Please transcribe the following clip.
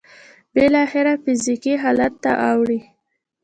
بالاخره فزيکي حالت ته اوړي.